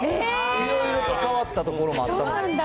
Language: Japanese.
いろいろと変わったところもあったので。